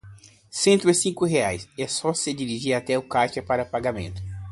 Cento e cinco reais, é só se dirigir até o caixa para pagamento.